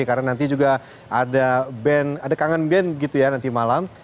karena nanti juga ada kangen band gitu ya nanti malam